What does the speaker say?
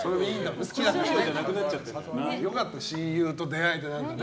良かった、親友と出会えてね。